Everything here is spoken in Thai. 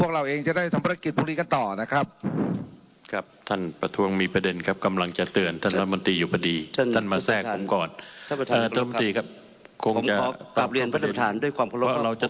เราจะต้องประหยัดเวลาให้รัฐบาลตอบนะครับ